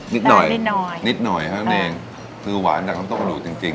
นิดหน่อยนิดหน่อยนิดหน่อยเท่านั้นเองคือหวานจากน้ำตกจริงจริง